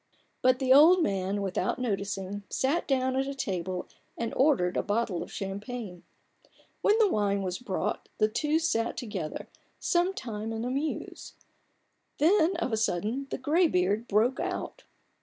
But the old man, without noticing, sat down at a table and ordered a bottle of champagne. When the wine was brought, the two sat together some time in a muse. Then, of a sudden, the graybeard broke out.